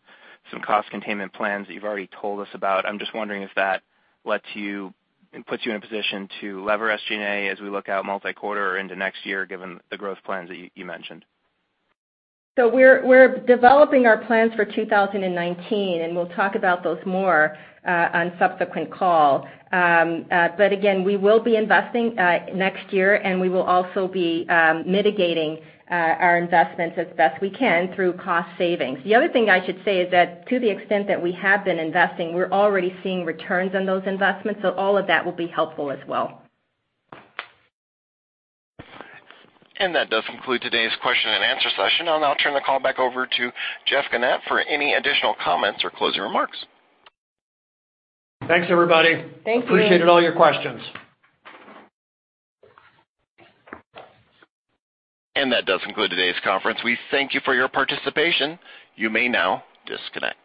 cost containment plans that you've already told us about. I'm just wondering if that puts you in a position to lever SG&A as we look out multi-quarter or into next year, given the growth plans that you mentioned. We're developing our plans for 2019, and we'll talk about those more on subsequent call. Again, we will be investing next year and we will also be mitigating our investments as best we can through cost savings. The other thing I should say is that to the extent that we have been investing, we're already seeing returns on those investments, so all of that will be helpful as well. That does conclude today's question and answer session. I'll now turn the call back over to Jeff Gennette for any additional comments or closing remarks. Thanks everybody. Thank you. Appreciated all your questions. That does conclude today's conference. We thank you for your participation. You may now disconnect.